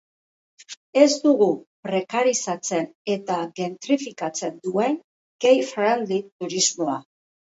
Ez dugu prekarizatzen eta gentrifikatzen duen gayfriendly turismoa.